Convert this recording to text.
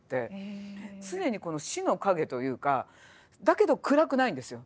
常にこの死の影というかだけど暗くないんですよ。